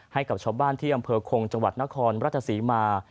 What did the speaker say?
ให้กับชาวบ้านที่อำเภอคงจังหวัดนครราชศรีมา